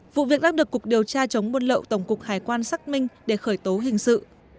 vụ việc đã được cục điều tra chống buôn lậu tổng cục hải quan xác minh để khởi tố hình sự